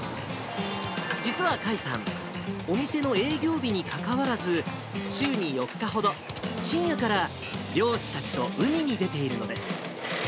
実は甲斐さん、お店の営業日にかかわらず、週に４日ほど、深夜から漁師たちと海に出ているのです。